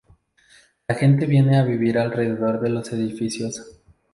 La gente viene a vivir alrededor de los edificios.